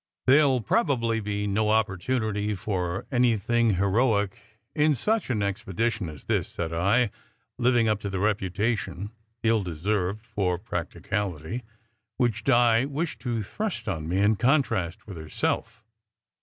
"There ll probably be no opportunity for anything heroic in such an expedition as this," said I, living up to the reputation ill deserved for practicality, which Di wished to thrust on me in contrast with herself.